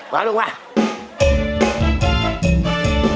เอาลูกมา